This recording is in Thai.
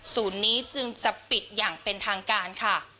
นี้จึงจะปิดอย่างเป็นทางการค่ะ